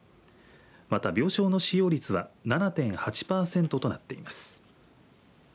また、病床の使用率は７．８パーセントとなっています。